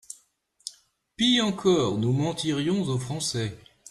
Pis encore, nous mentirions aux Français.